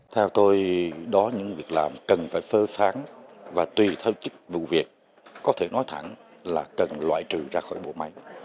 theo tôi đó những việc làm cần phải phơ phán và tùy theo chức vụ việc có thể nói thẳng là cần loại trừ ra khỏi bộ máy